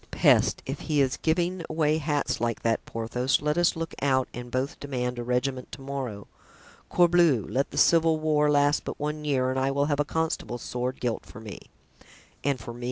"Peste, if he is giving away hats like that, Porthos, let us look out and both demand a regiment to morrow. Corbleu! let the civil war last but one year and I will have a constable's sword gilt for me." "And for me?"